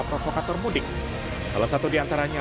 provokator mudik salah satu diantaranya